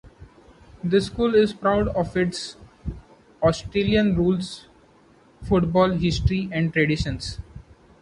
The school is proud of its Australian Rules Football history and traditions.